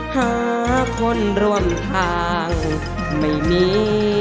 หาคนร่วมทางไม่มี